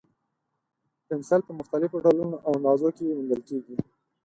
پنسل په مختلفو ډولونو او اندازو کې موندل کېږي.